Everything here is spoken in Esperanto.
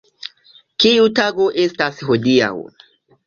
Kiu tago estas hodiaŭ?